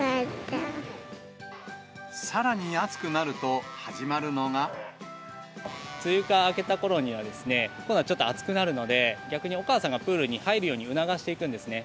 さらに暑くなると、始まるの梅雨が明けたころには、今度はちょっと暑くなるので、逆にお母さんがプールに入るように促していくんですね。